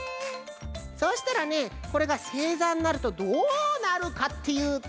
そうしたらねこれがせいざになるとどうなるかっていうと。